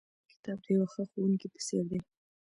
ښه کتاب د یوه ښه ښوونکي په څېر دی.